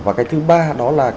và cái thứ ba đó là